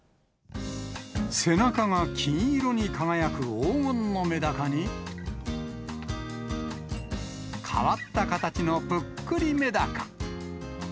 背中が金色に輝く黄金のメダカに、変わった形のぷっくりメダカ。